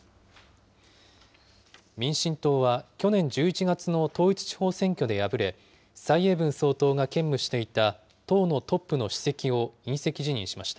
民進党は去年１１月の統一地方選挙で敗れ、蔡英文総統が兼務していた党のトップの主席を引責辞任しました。